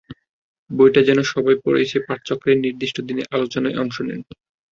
বইটা যেন সবাই পড়ে এসে পাঠচক্রের নির্দিষ্ট দিনে আলোচনায় অংশ নেন।